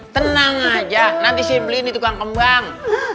tenang aja nanti siti beli ini tukang kembang